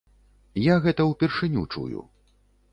Я гэта ўпершыню чую.